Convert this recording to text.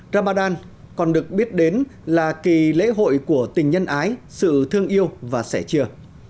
ramadan còn được biết đến là kỳ lễ hội của tình nhân ái sự thương yêu và sẻ chia